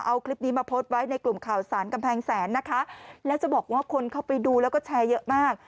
เอาคลิปนี้มาโพสต์ไว้ในกลุ่มข่าวสารกำแพงแสนนะคะแล้วจะบอกว่าคนเข้าไปดูแล้วก็แชร์เยอะมาก